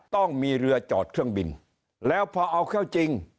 ต้องมีเรือจอดเครื่องบินแล้วพอเอาเข้าจริง